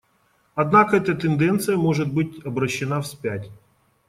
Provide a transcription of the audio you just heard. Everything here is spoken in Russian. Однако эта тенденция может быть обращена вспять.